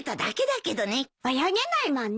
泳げないもんね。